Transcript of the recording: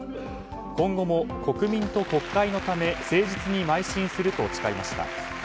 今後も国民と国会のため誠実にまい進すると誓いました。